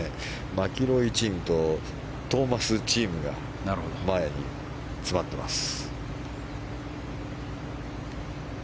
マキロイチームとトーマスチームが前に詰まっています。